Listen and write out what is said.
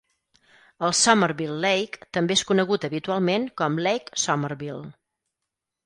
El Somerville Lake també és conegut habitualment com Lake Somerville.